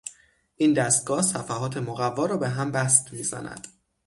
این دستگاه صفحات مقوا را به هم بست میزند.